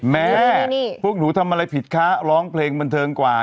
แม่พวกหนูทำอะไรผิดคะร้องเพลงบันเทิงกว่า